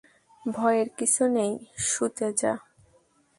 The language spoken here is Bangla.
ভয়ের কিছু নেই, শুতে যা।